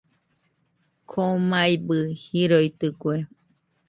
Komaibɨ riroitɨkue.